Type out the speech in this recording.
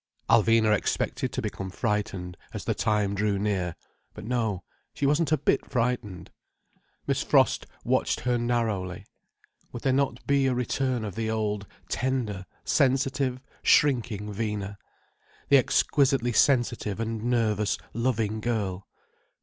Alvina expected to become frightened, as the time drew near. But no, she wasn't a bit frightened. Miss Frost watched her narrowly. Would there not be a return of the old, tender, sensitive, shrinking Vina—the exquisitely sensitive and nervous, loving girl?